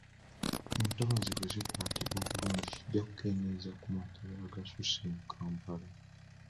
Entobazi bwe zikwatibwa bulungi kijja kukendeeza ku mataba agasusse mu Kampala.